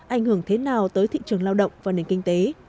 ảnh hưởng thế nào tới thị trường lao động và nền kinh tế